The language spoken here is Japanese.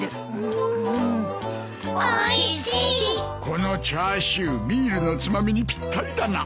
このチャーシュービールのつまみにぴったりだな。